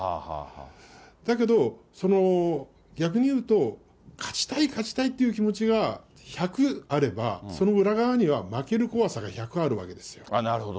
だけど、逆に言うと、勝ちたい勝ちたいっていう気持ちが１００あれば、その裏側には負ける怖さが１００あるわけですよ。